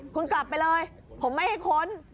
คุณกลับไปเลยผมไม่ให้ค้น